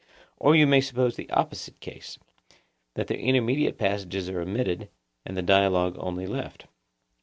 Or you may suppose the opposite case—that the intermediate passages are omitted, and the dialogue only left.